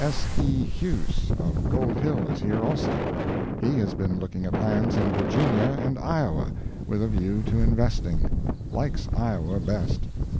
S. E. Huse of Gold Hill is here, also. He has been looking at lands in Virginia and Iowa, with a view to investing; likes Iowa best.